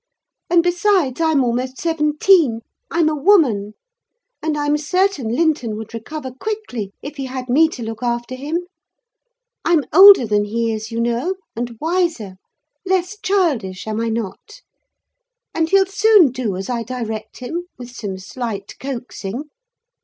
And besides, I'm almost seventeen: I'm a woman. And I'm certain Linton would recover quickly if he had me to look after him. I'm older than he is, you know, and wiser: less childish, am I not? And he'll soon do as I direct him, with some slight coaxing.